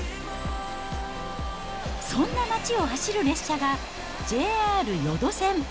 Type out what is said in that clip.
そんな町を走る列車が、ＪＲ予土線。